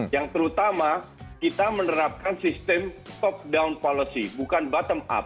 yang terutama kita menerapkan sistem top down policy bukan bottom up